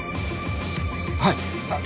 はい！